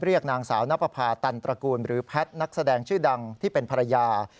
นางสาวนับประพาตันตระกูลหรือแพทย์นักแสดงชื่อดังที่เป็นภรรยา